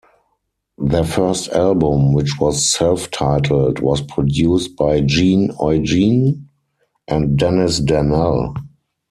Their first album, which was self-titled, was produced by Gene Eugene and Dennis Danell.